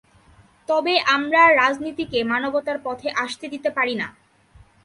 তবে আমরা রাজনীতিকে মানবতার পথে আসতে দিতে পারি না।